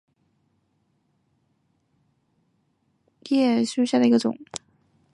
叉毛锯蕨为禾叶蕨科锯蕨属下的一个种。